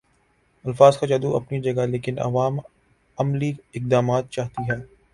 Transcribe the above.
الفاظ کا جادو اپنی جگہ لیکن عوام عملی اقدامات چاہتی ہے